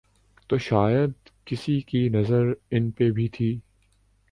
تو شاید کسی کی نظر ان پہ بھی تھی۔